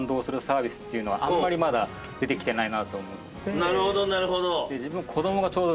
なるほどなるほど。